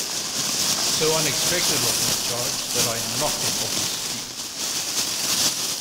So unexpected was my charge that I knocked him off his feet.